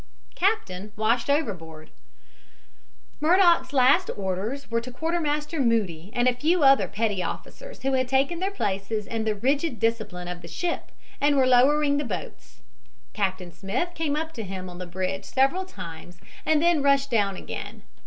CAPTAIN WASHED OVERBOARD Murdock's last orders were to Quartermaster Moody and a few other petty officers who had taken their places in the rigid discipline of the ship and were lowering the boats. Captain Smith came up to him on the bridge several times and then rushed down again.